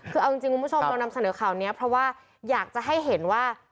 คือเอาจริงคุณผู้ชมเรานำเสนอข่าวนี้เพราะว่าอยากจะให้เห็นว่า